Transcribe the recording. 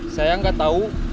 saya gak tau